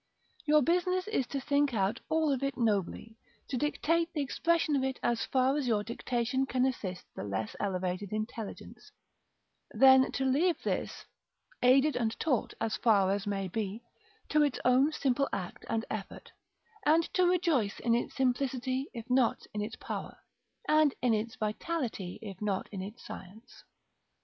Your business is to think out all of it nobly, to dictate the expression of it as far as your dictation can assist the less elevated intelligence: then to leave this, aided and taught as far as may be, to its own simple act and effort; and to rejoice in its simplicity if not in its power, and in its vitality if not in its science.